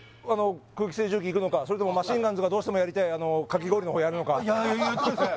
空気清浄機いくのかそれともマシンガンズがどうしてもやりたいかき氷の方やるのかやりたいっすね